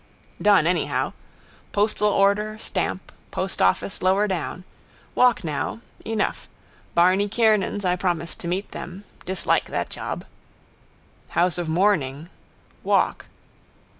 Done anyhow. Postal order, stamp. Postoffice lower down. Walk now. Enough. Barney Kiernan's I promised to meet them. Dislike that job. House of mourning. Walk.